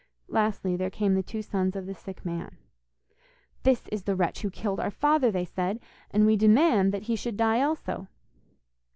Lastly, there came the two sons of the sick man. 'This is the wretch who killed our father,' they said, 'and we demand that he should die also.